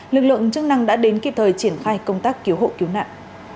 lực lượng chức năng đã đến kịp thời triển khai công tác cứu hộ cứu nạn